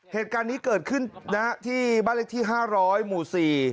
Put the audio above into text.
เหตุการณ์นี้เกิดขึ้นนะฮะที่บ้านเล็กที่ห้าร้อยหมู่สี่